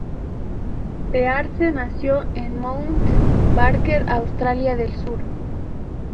Pearce nació en Mount Barker, Australia del Sur.